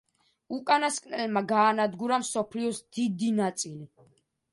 უკანასკნელმა გაანადგურა მსოფლიოს დიდი ნაწილი.